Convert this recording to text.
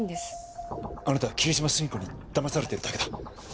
あなたは霧島澄子に騙されてるだけだ。